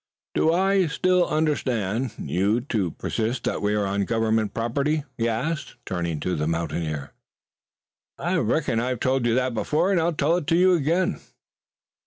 Do I still understand you to persist that we are on a government preserve?" he asked, turning to the mountaineer. "I reckon I've told you that before and I'll tell it to you again."